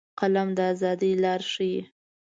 قلم د ازادۍ لارې ښيي